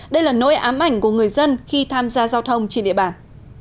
đây là nỗi ám ảnh của người dân khi tham gia giao thông trên địa bàn